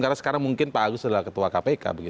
karena sekarang mungkin pak agus adalah ketua kpk